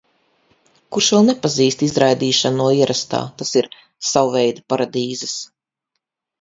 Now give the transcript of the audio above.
Kurš vēl nepazīst izraidīšanu no ierastā, tas ir – savveida paradīzes.